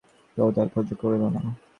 কেহ তাহার খোঁজও করিল না।